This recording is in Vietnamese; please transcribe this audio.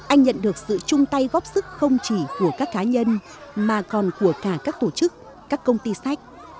anh nhận được sự chung tay góp sức không chỉ của các cá nhân mà còn của cả các tổ chức các công ty sách